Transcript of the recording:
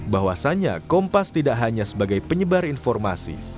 bahwasannya kompas tidak hanya sebagai penyebar informasi